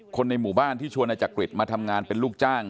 คนในหมู่บ้านที่ชวนนายจักริตมาทำงานเป็นลูกจ้าง